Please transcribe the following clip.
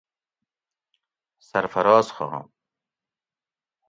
سرفراز خان